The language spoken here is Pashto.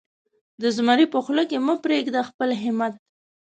د زمري په خوله کې مه پرېږده خپل همت.